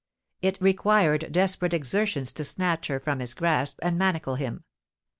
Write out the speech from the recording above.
It required desperate exertions to snatch her from his grasp and manacle him.